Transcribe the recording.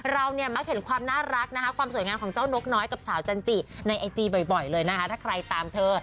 เราเนี่ยมักเห็นความน่ารักนะคะความสวยงามของเจ้านกน้อยกับสาวจันจิในไอจีบ่อยเลยนะคะถ้าใครตามเธอ